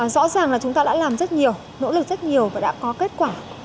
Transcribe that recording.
rõ ràng là chúng ta đã làm rất nhiều nỗ lực rất nhiều và đã có kết quả